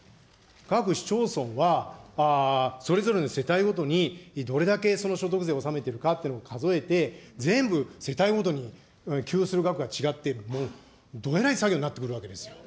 各市町村はそれぞれの世帯ごとにどれだけその所得税を納めているのかということを数えて、全部世帯ごとに給付する額が違っている、もうどえらい作業になってくるわけですよ。